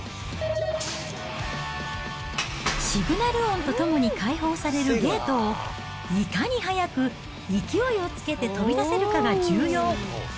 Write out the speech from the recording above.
シグナル音とともに開放されるゲートを、いかに速く勢いをつけて飛び出せるかが重要。